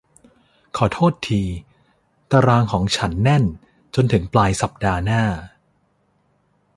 ขอโทษที ตารางของฉันแน่นจนถึงปลายสัปดาห์หน้า